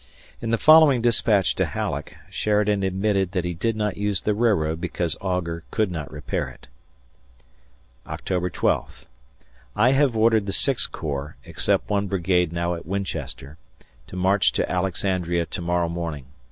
In the following dispatch to Halleck, Sheridan admitted that he did not use the railroad because Augur could not repair it: October 12th. I have ordered the Sixth Corps (except one brigade now at Winchester) to march to Alexandria to morrow morning.